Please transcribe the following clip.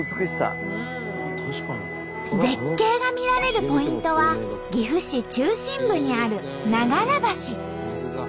絶景が見られるポイントは岐阜市中心部にある長良橋。